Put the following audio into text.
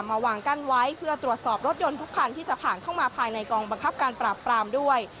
มาวางกั้นไว้เพื่อตรวจสอบรถยนต์ทุกคันที่จะผ่านเข้ามาภายในกองบังคับการปราบปรามด้วย